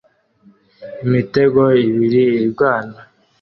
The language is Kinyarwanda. Imitego ibiri irwana